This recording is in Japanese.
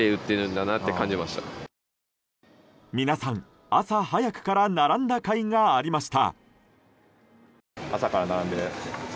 皆さん、朝早くから並んだかいがありました。